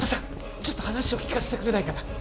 ちょっと話を聞かせてくれないかな？